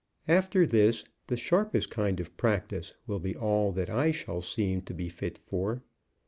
After this the sharpest kind of practice will be all that I shall seem to be fit for.